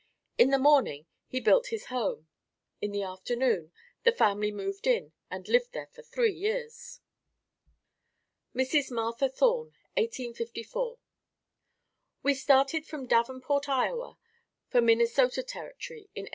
In the morning he built his home. In the afternoon the family moved in and lived there for three years. Mrs. Martha Thorne 1854. We started from Davenport, Iowa, for Minnesota Territory in 1854.